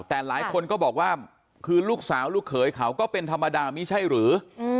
แต่หลายคนก็บอกว่าคือลูกสาวลูกเขยเขาก็เป็นธรรมดาไม่ใช่หรือ